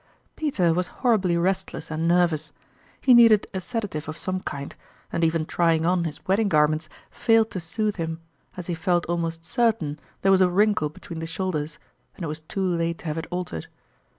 Peter was horribly restless and nervous ; he needed a sedative of some kind, and even try ing on his wedding garments failed to soothe him, as he felt almost certain there was a wrinkle between the shoulders, and it was too late to have it altered.